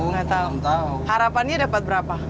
nggak tahu harapannya dapat berapa